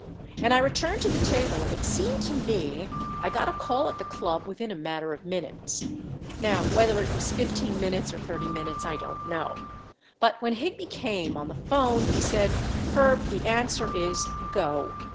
And I re turned to the table and it seemed to me I got a call at the club within a matter of minutes. Now, whether it was 15 minutes or 30 minutes I don't know. But when Higby came on the phone, he said Herb, the answer is go.